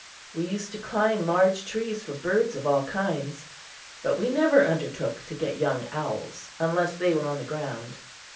We used to climb large trees for birds of all kinds; but we never undertook to get young owls unless they were on the ground.